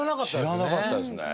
知らなかったですね。